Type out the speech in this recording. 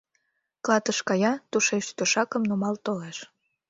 Клатыш кая, тушеч тӧшакым нумал толеш.